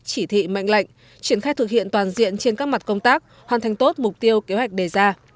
chỉ thị mệnh lệnh triển khai thực hiện toàn diện trên các mặt công tác hoàn thành tốt mục tiêu kế hoạch đề ra